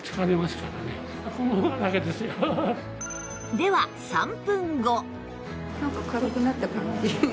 では３分後